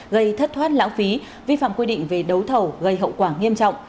gây thất thoát lãng phí vi phạm quy định về đấu thầu gây hậu quả nghiêm trọng